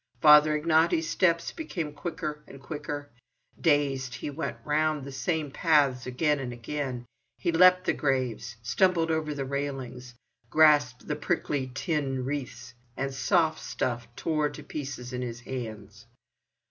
Father Ignaty's steps became quicker and quicker. Dazed, he went round the same paths again and again, he leapt the graves, stumbled against the railings, grasped the prickly tin wreaths, and the soft stuff tore to pieces in his hands.